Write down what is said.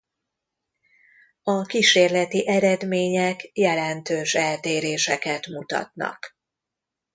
A kísérleti eredmények jelentős eltéréseket mutatnak.